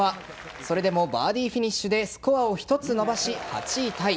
それでもバーディーフィニッシュでスコアを１つ伸ばし８位タイ。